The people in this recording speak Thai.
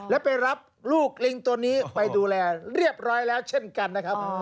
และไปรับลูกลิงตัวนี้ไปดูแลเรียบร้อยแล้วเช่นกันนะครับ